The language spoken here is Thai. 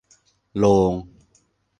โลง